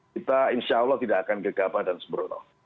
kita insya allah tidak akan gegabah dan sembrono